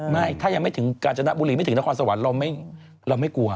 ไม่ถ้ายังไม่ถึงกาญจนบุรีไม่ถึงนครสวรรค์เราไม่กลัว